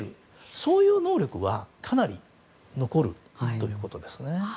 そういう能力はかなり残るということですね。